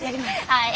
はい。